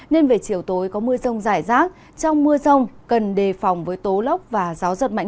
nên về chiều tối có mưa rông rải rác trong mưa rông cần đề phòng với tố lốc và gió giật mạnh